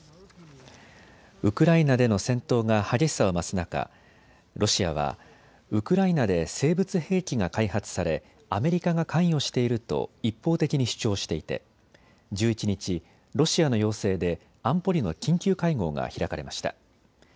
ウクライナでの戦闘が激しさを増す中、ロシアはウクライナで生物兵器が開発されアメリカが関与していると一方的に主張していて１１日、ロシアの要請で安保理の緊急会合が開かれました。